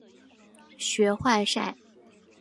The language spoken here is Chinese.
学坏晒！